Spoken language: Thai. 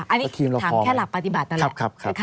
อันนี้ถามแค่หลักปฏิบัตินั่นแหละ